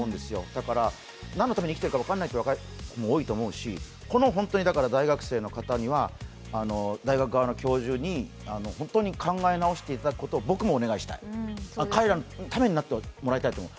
だから何のために生きているか分からない方も多いと思うしこの大学生の方には大学側の教授に考え直していただくことを僕もお願いしたい、彼らのためになってもらいたいと思う。